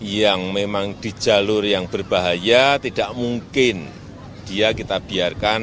yang memang di jalur yang berbahaya tidak mungkin dia kita biarkan